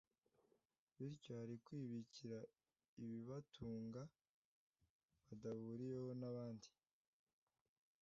Bityo bari kwibikira ibibatunga badahuriyeho n’abandi